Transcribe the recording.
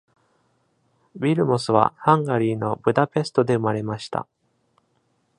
ビルモスはハンガリーのブダペストで生まれました。